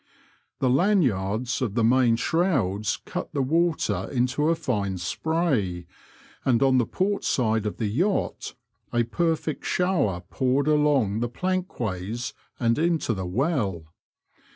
The lanyards of the main shrouds cut the water into fine spray, and on the port side of the yacht a perfect shower poured along the plankways and into the well.